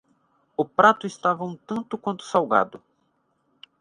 O prato estava um tanto quanto salgado